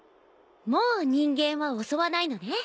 もう人間は襲わないのね。